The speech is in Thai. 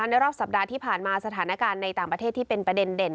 ในรอบสัปดาห์ที่ผ่านมาสถานการณ์ในต่างประเทศที่เป็นประเด็นเด่น